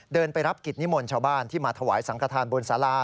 ไปรับกิจนิมนต์ชาวบ้านที่มาถวายสังขทานบนสารา